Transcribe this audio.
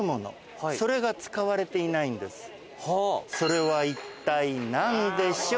それはいったい何でしょう？